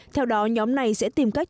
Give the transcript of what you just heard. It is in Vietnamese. theo đó nhóm này sẽ tìm cách